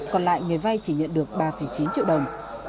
còn lại người vay chỉ nhận được ba chín triệu đồng